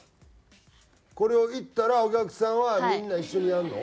「これを行ったらお客さんはみんな一緒にやるの？」